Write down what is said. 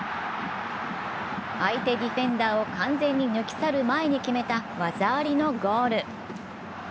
相手ディフェンダーを完全に抜き去る、前に決めた技ありのゴール。